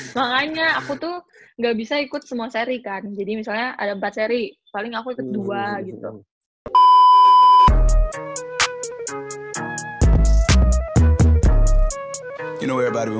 makanya aku tuh gak bisa ikut semua seri kan jadi misalnya ada empat seri paling aku ikut dua gitu